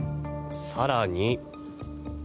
更に。